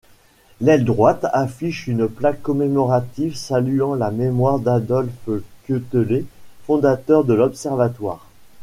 L'aile droite affiche une plaque commémorative saluant la mémoire d'Adolphe Quetelet, fondateur de l'observatoire.